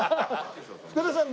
福田さん